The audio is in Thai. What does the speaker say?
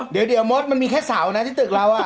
เดี๋ยวมดมันมีแค่เสานะที่ตึกเรา